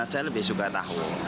saya lebih suka tahu